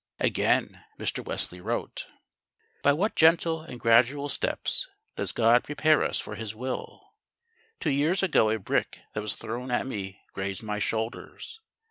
'" Again Mr. Wesley wrote: "By what gentle and gradual steps does God prepare us for His will! Two years ago a brick that was thrown at me grazed my shoulders.